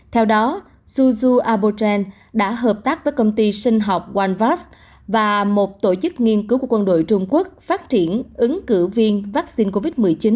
theo đó suzhou arboretum đã hợp tác với công ty sinh học onevax và một tổ chức nghiên cứu của quân đội trung quốc phát triển ứng cử viên vaccine covid một mươi chín